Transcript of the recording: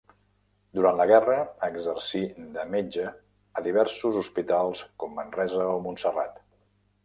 Durant la guerra exercí de metge a diversos hospitals com Manresa o Montserrat.